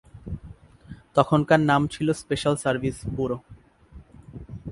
তখনকার নাম ছিল স্পেশাল সার্ভিস ব্যুরো।